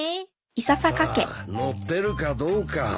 さあ載ってるかどうか。